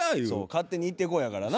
勝手に行ってこいやからな。